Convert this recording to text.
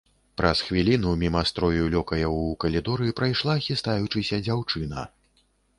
Праз хвіліну міма строю лёкаяў у калідоры прайшла, хістаючыся, дзяўчына.